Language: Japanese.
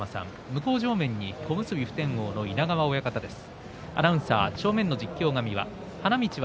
向正面、小結普天王の稲川親方です。